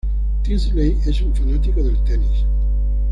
Tinsley es un fanático del tenis.